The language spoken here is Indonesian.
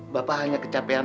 bapak hanya kecapean aja